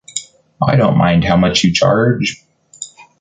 I don’t mind how much you charge!